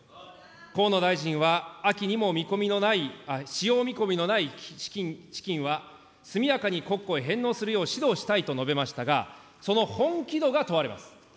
河野大臣は秋にも見込みのない、使用見込みのない資金は速やかに国庫へ返納するよう指導したいと述べましたが、その本気度が問われます。